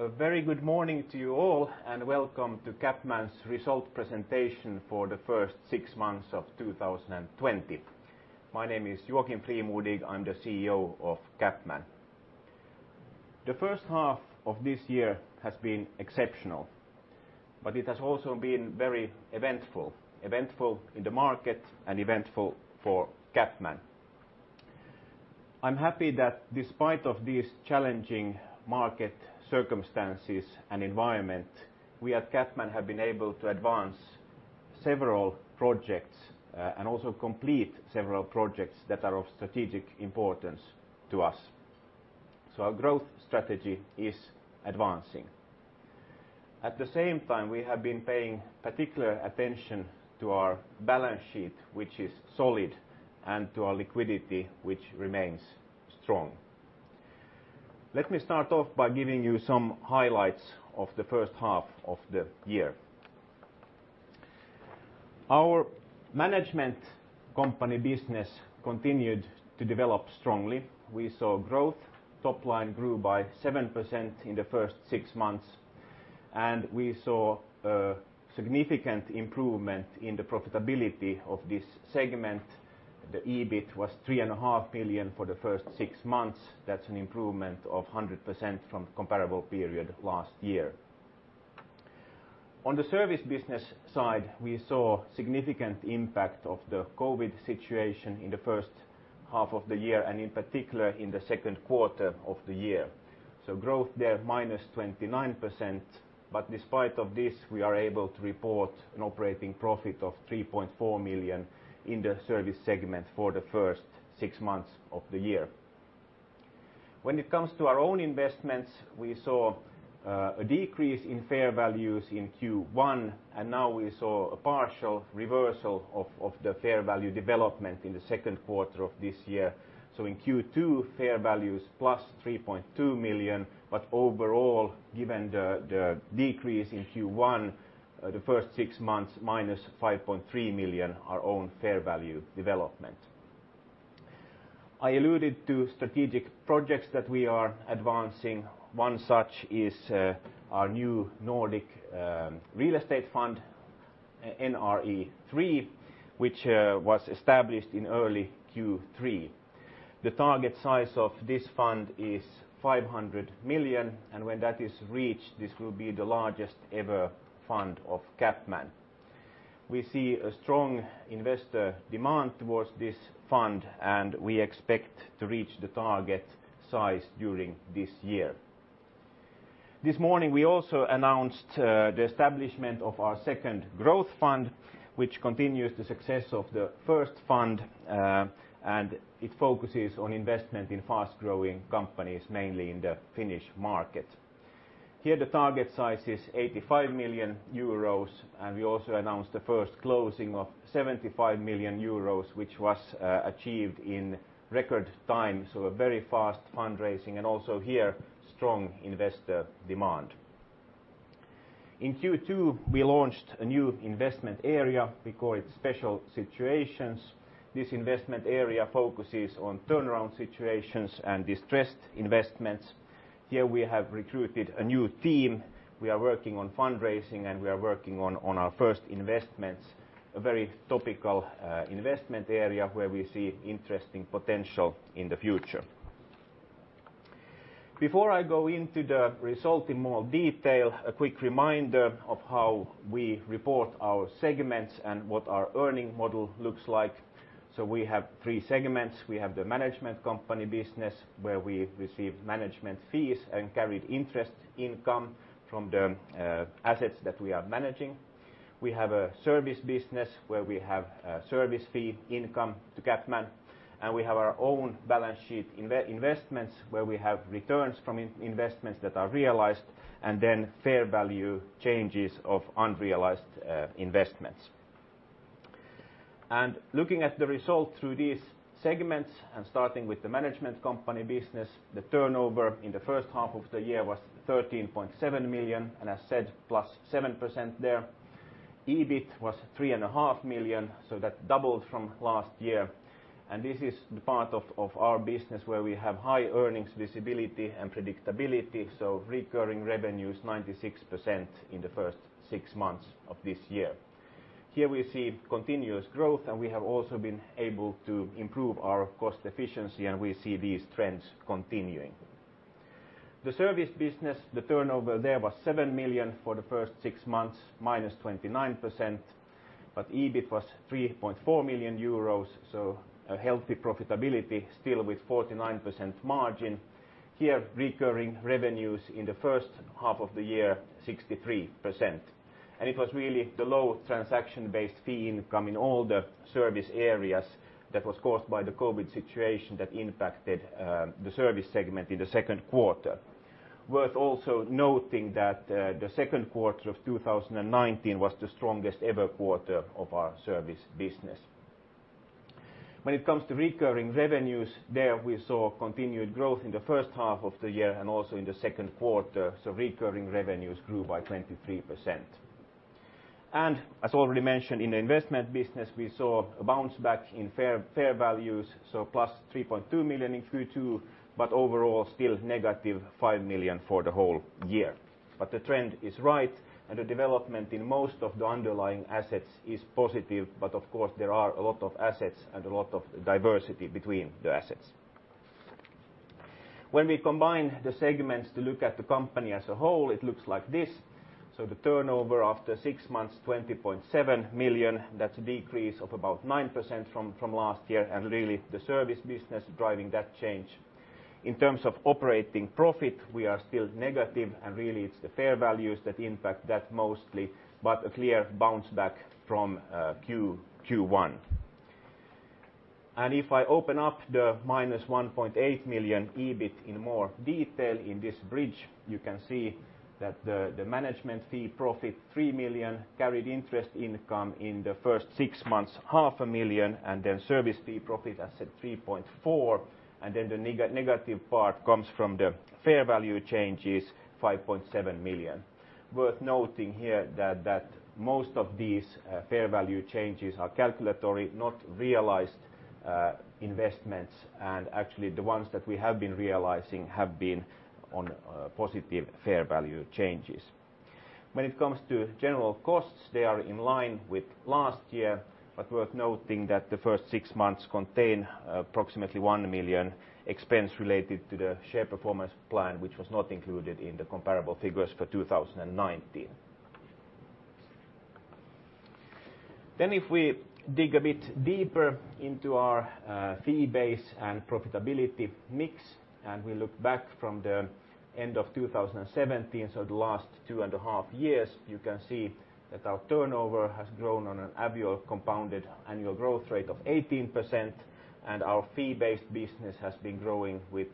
A very good morning to you all, and welcome to CapMan's result presentation for the first six months of 2020. My name is Joakim Frimodig. I'm the CEO of CapMan. The first half of this year has been exceptional, but it has also been very eventful, eventful in the market and eventful for CapMan. I'm happy that despite these challenging market circumstances and environment, we at CapMan have been able to advance several projects and also complete several projects that are of strategic importance to us. Our growth strategy is advancing. At the same time, we have been paying particular attention to our balance sheet, which is solid, and to our liquidity, which remains strong. Let me start off by giving you some highlights of the first half of the year. Our management company business continued to develop strongly. We saw growth. Top line grew by 7% in the first six months, and we saw a significant improvement in the profitability of this segment. The EBIT was 3.5 million for the first six months. That's an improvement of 100% from the comparable period last year. On the service business side, we saw a significant impact of the COVID situation in the first half of the year and in particular in the second quarter of the year. So growth there: minus 29%, but despite this, we are able to report an operating profit of 3.4 million in the service segment for the first six months of the year. When it comes to our own investments, we saw a decrease in fair values in Q1, and now we saw a partial reversal of the fair value development in the second quarter of this year. So in Q2, fair values plus 3.2 million, but overall, given the decrease in Q1, the first six months minus 5.3 million, our own fair value development. I alluded to strategic projects that we are advancing. One such is our new Nordic real estate fund, NRE III, which was established in early Q3. The target size of this fund is 500 million, and when that is reached, this will be the largest ever fund of CapMan. We see a strong investor demand towards this fund, and we expect to reach the target size during this year. This morning, we also announced the establishment of our second growth fund, which continues the success of the first fund, and it focuses on investment in fast-growing companies, mainly in the Finnish market. Here, the target size is 85 million euros, and we also announced the first closing of 75 million euros, which was achieved in record time, so a very fast fundraising and also here strong investor demand. In Q2, we launched a new investment area. We call it Special Situations. This investment area focuses on turnaround situations and distressed investments. Here, we have recruited a new team. We are working on fundraising, and we are working on our first investments, a very topical investment area where we see interesting potential in the future. Before I go into the result in more detail, a quick reminder of how we report our segments and what our earning model looks like. So we have three segments. We have the management company business, where we receive management fees and carried interest income from the assets that we are managing. We have a service business, where we have service fee income to CapMan, and we have our own balance sheet investments, where we have returns from investments that are realized and then fair value changes of unrealized investments, and looking at the result through these segments, and starting with the management company business, the turnover in the first half of the year was 13.7 million, and as said, plus 7% there. EBIT was 3.5 million, so that doubled from last year, and this is the part of our business where we have high earnings visibility and predictability, so recurring revenues 96% in the first six months of this year. Here we see continuous growth, and we have also been able to improve our cost efficiency, and we see these trends continuing. The service business, the turnover there was 7 million for the first six months, -29%, but EBIT was 3.4 million euros, so a healthy profitability still with 49% margin. Here, recurring revenues in the first half of the year, 63%. And it was really the low transaction-based fee income in all the service areas that was caused by the COVID situation that impacted the service segment in the second quarter. Worth also noting that the second quarter of 2019 was the strongest ever quarter of our service business. When it comes to recurring revenues, there we saw continued growth in the first half of the year and also in the second quarter, so recurring revenues grew by 23%. As already mentioned, in the investment business, we saw a bounce back in fair values, so plus 3.2 million in Q2, but overall still negative 5 million for the whole year. The trend is right, and the development in most of the underlying assets is positive, but of course, there are a lot of assets and a lot of diversity between the assets. When we combine the segments to look at the company as a whole, it looks like this. The turnover after six months, 20.7 million, that's a decrease of about 9% from last year, and really the service business driving that change. In terms of operating profit, we are still negative, and really it's the fair values that impact that mostly, but a clear bounce back from Q1. And if I open up the minus 1.8 million EBIT in more detail in this bridge, you can see that the management fee profit, 3 million, carried interest income in the first six months, 500,000, and then service fee profit, I said 3.4 million, and then the negative part comes from the fair value changes, 5.7 million. Worth noting here that most of these fair value changes are calculatory, not realized investments, and actually the ones that we have been realizing have been on positive fair value changes. When it comes to general costs, they are in line with last year, but worth noting that the first six months contain approximately 1 million expense related to the share performance plan, which was not included in the comparable figures for 2019. Then if we dig a bit deeper into our fee base and profitability mix, and we look back from the end of 2017, so the last two and a half years, you can see that our turnover has grown on an annual compounded annual growth rate of 18%, and our fee-based business has been growing with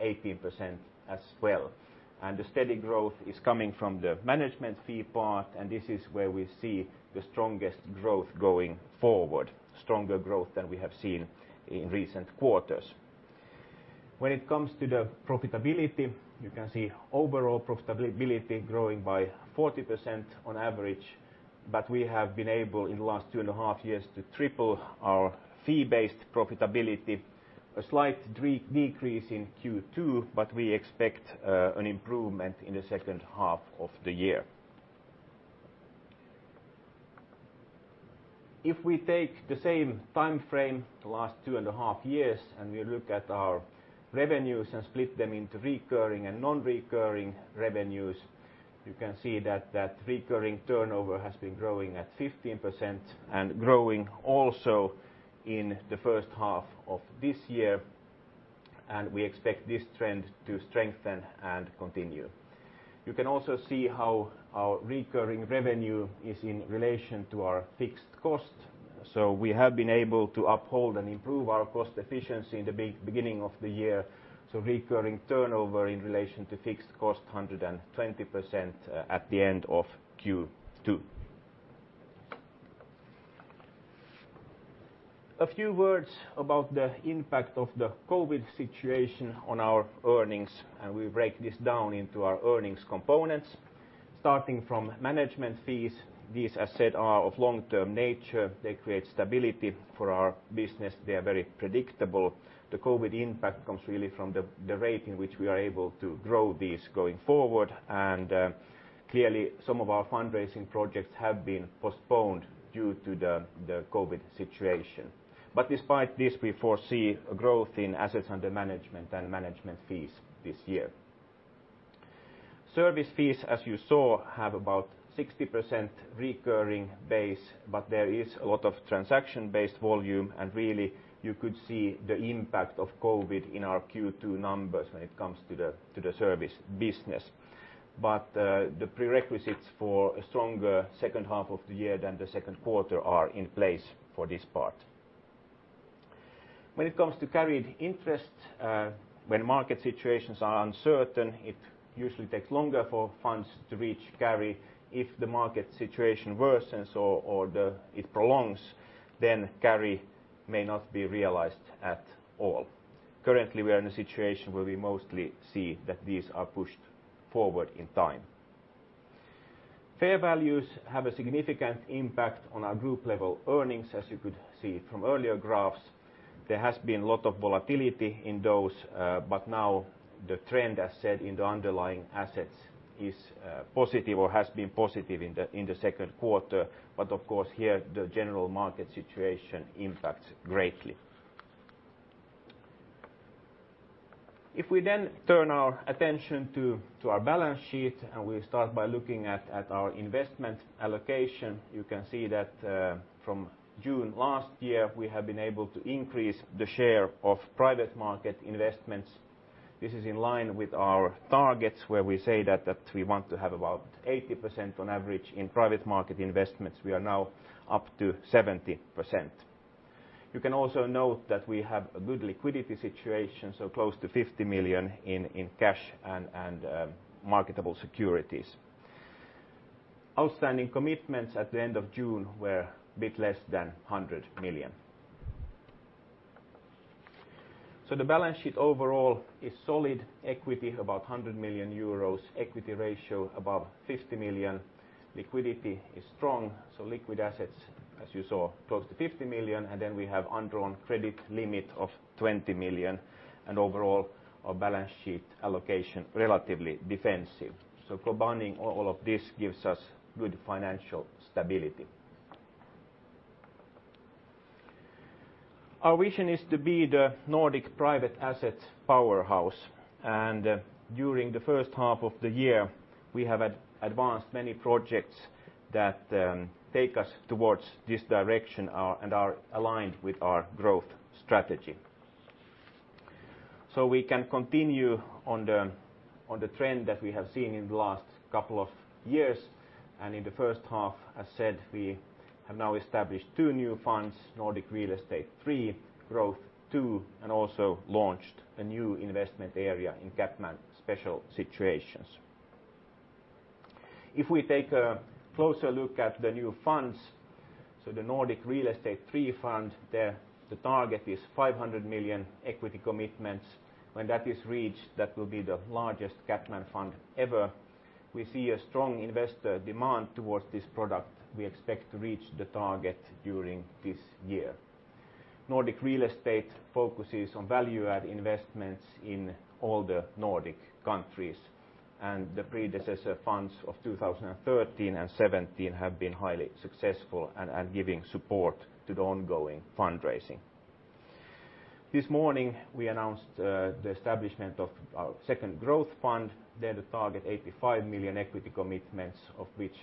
18% as well. And the steady growth is coming from the management fee part, and this is where we see the strongest growth going forward, stronger growth than we have seen in recent quarters. When it comes to the profitability, you can see overall profitability growing by 40% on average, but we have been able in the last two and a half years to triple our fee-based profitability, a slight decrease in Q2, but we expect an improvement in the second half of the year. If we take the same time frame, the last two and a half years, and we look at our revenues and split them into recurring and non-recurring revenues, you can see that that recurring turnover has been growing at 15% and growing also in the first half of this year, and we expect this trend to strengthen and continue. You can also see how our recurring revenue is in relation to our fixed cost, so we have been able to uphold and improve our cost efficiency in the beginning of the year, so recurring turnover in relation to fixed cost, 120% at the end of Q2. A few words about the impact of the COVID situation on our earnings, and we break this down into our earnings components. Starting from management fees, these, as said, are of long-term nature. They create stability for our business. They are very predictable. The COVID impact comes really from the rate in which we are able to grow these going forward, and clearly some of our fundraising projects have been postponed due to the COVID situation. But despite this, we foresee growth in assets under management and management fees this year. Service fees, as you saw, have about 60% recurring base, but there is a lot of transaction-based volume, and really you could see the impact of COVID in our Q2 numbers when it comes to the service business. But the prerequisites for a stronger second half of the year than the second quarter are in place for this part. When it comes to carried interest, when market situations are uncertain, it usually takes longer for funds to reach carry. If the market situation worsens or it prolongs, then carry may not be realized at all. Currently, we are in a situation where we mostly see that these are pushed forward in time. Fair values have a significant impact on our group-level earnings, as you could see from earlier graphs. There has been a lot of volatility in those, but now the trend, as said, in the underlying assets is positive or has been positive in the second quarter, but of course, here the general market situation impacts greatly. If we then turn our attention to our balance sheet and we start by looking at our investment allocation, you can see that from June last year, we have been able to increase the share of private market investments. This is in line with our targets where we say that we want to have about 80% on average in private market investments. We are now up to 70%. You can also note that we have a good liquidity situation, so close to 50 million in cash and marketable securities. Outstanding commitments at the end of June were a bit less than 100 million, so the balance sheet overall is solid. Equity about 100 million euros, equity ratio above 50%. Liquidity is strong, so liquid assets, as you saw, close to 50 million, and then we have undrawn credit limit of 20 million, and overall our balance sheet allocation relatively defensive, so combining all of this gives us good financial stability. Our vision is to be the Nordic private asset powerhouse, and during the first half of the year, we have advanced many projects that take us towards this direction and are aligned with our growth strategy. We can continue on the trend that we have seen in the last couple of years, and in the first half, as said, we have now established two new funds, Nordic Real Estate III, Growth II, and also launched a new investment area in CapMan Special Situations. If we take a closer look at the new funds, so the Nordic Real Estate III fund, the target is 500 million EUR equity commitments. When that is reached, that will be the largest CapMan fund ever. We see a strong investor demand toward this product. We expect to reach the target during this year. Nordic Real Estate focuses on value-add investments in all the Nordic countries, and the predecessor funds of 2013 and 2017 have been highly successful and are giving support to the ongoing fundraising. This morning, we announced the establishment of our second growth fund. There is a target of 85 million equity commitments, of which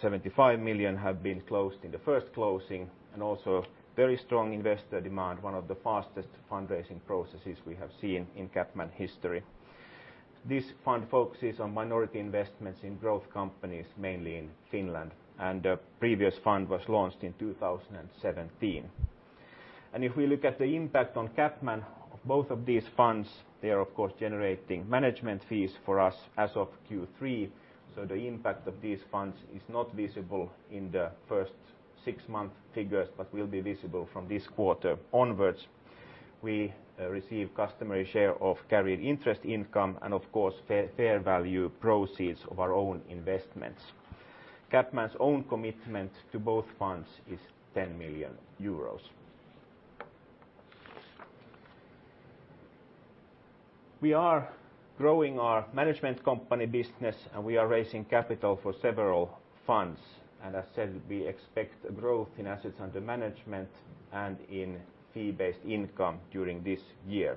75 million have been closed in the first closing, and also very strong investor demand, one of the fastest fundraising processes we have seen in CapMan history. This fund focuses on minority investments in growth companies, mainly in Finland, and the previous fund was launched in 2017. If we look at the impact on CapMan of both of these funds, they are of course generating management fees for us as of Q3, so the impact of these funds is not visible in the first six-month figures, but will be visible from this quarter onwards. We receive a customary share of carried interest income and, of course, fair value proceeds of our own investments. CapMan's own commitment to both funds is 10 million euros. We are growing our management company business, and we are raising capital for several funds, and as said, we expect growth in assets under management and in fee-based income during this year.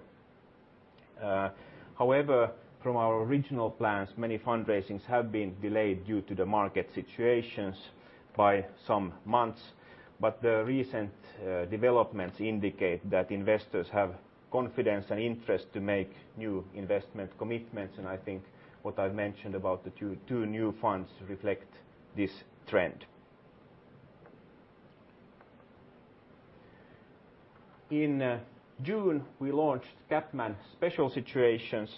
However, from our original plans, many fundraisings have been delayed due to the market situations by some months, but the recent developments indicate that investors have confidence and interest to make new investment commitments, and I think what I've mentioned about the two new funds reflects this trend. In June, we launched CapMan Special Situations.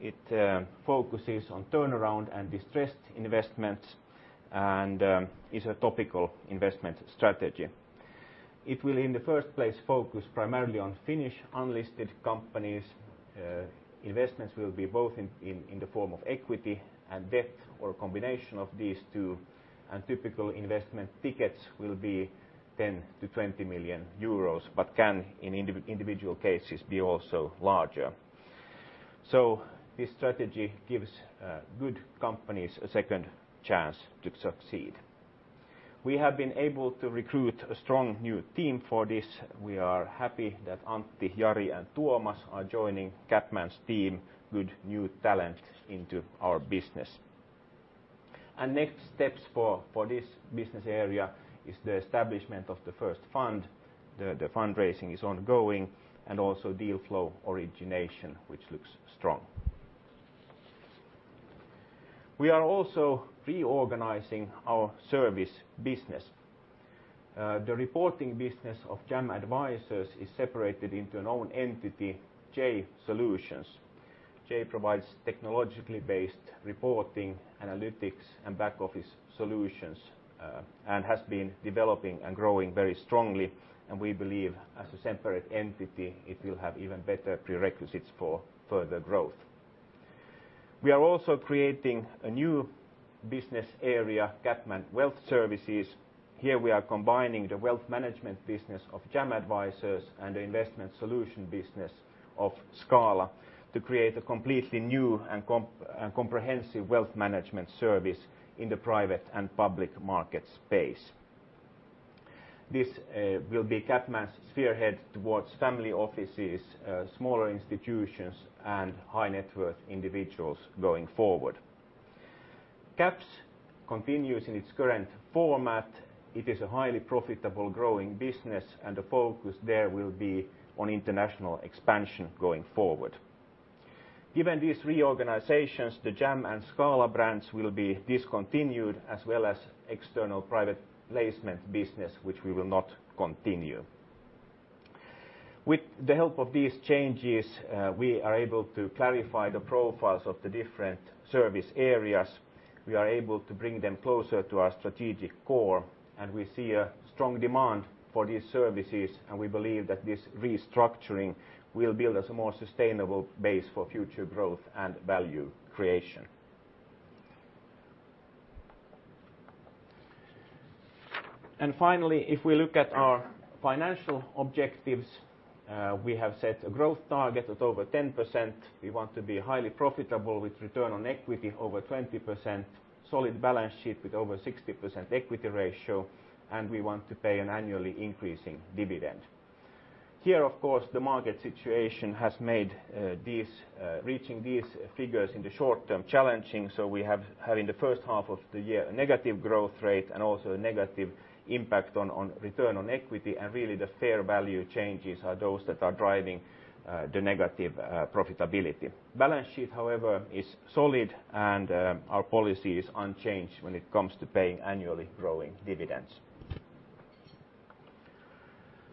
It focuses on turnaround and distressed investments and is a topical investment strategy. It will, in the first place, focus primarily on Finnish unlisted companies. Investments will be both in the form of equity and debt or a combination of these two, and typical investment tickets will be 10-20 million euros, but can, in individual cases, be also larger. This strategy gives good companies a second chance to succeed. We have been able to recruit a strong new team for this. We are happy that Antti, Jari and Tuomas are joining CapMan's team, good new talent into our business. Next steps for this business area are the establishment of the first fund. The fundraising is ongoing and also deal flow origination, which looks strong. We are also reorganizing our service business. The reporting business of JAM Advisors is separated into an own entity, JAY Solutions. JAY provides technologically based reporting, analytics, and back office solutions and has been developing and growing very strongly, and we believe as a separate entity, it will have even better prerequisites for further growth. We are also creating a new business area, CapMan Wealth Services. Here we are combining the wealth management business of JAM Advisors and the investment solution business of Scala to create a completely new and comprehensive wealth management service in the private and public market space. This will be CapMan's spearhead towards family offices, smaller institutions, and high net worth individuals going forward. CaPS continues in its current format. It is a highly profitable, growing business, and the focus there will be on international expansion going forward. Given these reorganizations, the JAM and Scala brands will be discontinued, as well as external private placement business, which we will not continue. With the help of these changes, we are able to clarify the profiles of the different service areas. We are able to bring them closer to our strategic core, and we see a strong demand for these services, and we believe that this restructuring will build us a more sustainable base for future growth and value creation, and finally, if we look at our financial objectives, we have set a growth target of over 10%. We want to be highly profitable with return on equity over 20%, solid balance sheet with over 60% equity ratio, and we want to pay an annually increasing dividend. Here, of course, the market situation has made reaching these figures in the short term challenging, so we have in the first half of the year a negative growth rate and also a negative impact on return on equity, and really the fair value changes are those that are driving the negative profitability. Balance sheet, however, is solid, and our policy is unchanged when it comes to paying annually growing dividends.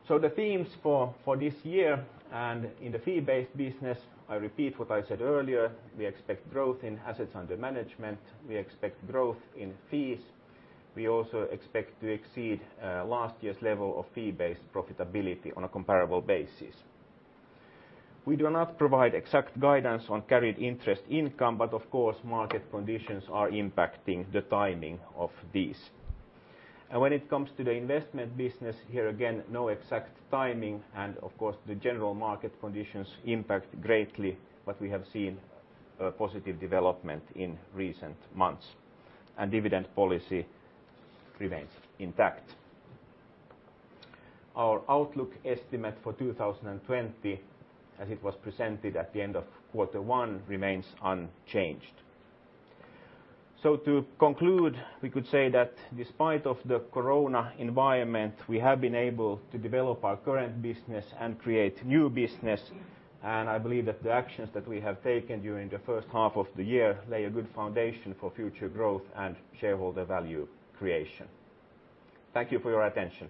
So the themes for this year and in the fee-based business, I repeat what I said earlier. We expect growth in assets under management. We expect growth in fees. We also expect to exceed last year's level of fee-based profitability on a comparable basis. We do not provide exact guidance on carried interest income, but of course, market conditions are impacting the timing of these. And when it comes to the investment business, here again, no exact timing, and of course, the general market conditions impact greatly, but we have seen positive development in recent months, and dividend policy remains intact. Our outlook estimate for 2020, as it was presented at the end of quarter one, remains unchanged. So to conclude, we could say that despite the Corona environment, we have been able to develop our current business and create new business, and I believe that the actions that we have taken during the first half of the year lay a good foundation for future growth and shareholder value creation. Thank you for your attention.